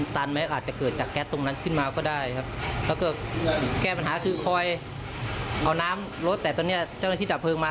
แต่ตอนนี้เจ้านาชีพดับเพลิงมา